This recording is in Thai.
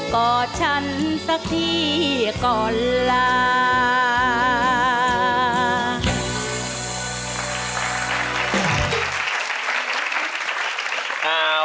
อดฉันสักทีก่อนลา